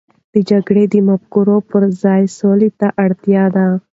د جګړې د مفکورو پر ځای، سولې ته اړتیا ده.